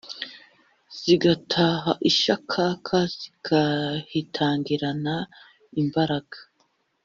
zigataha ishakaka: zikahitangirana imbaraga